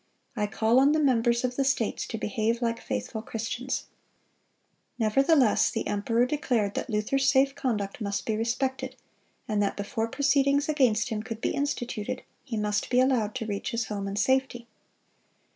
I call on the members of the states to behave like faithful Christians."(223) Nevertheless the emperor declared that Luther's safe conduct must be respected, and that before proceedings against him could be instituted, he must be allowed to reach his home in safety.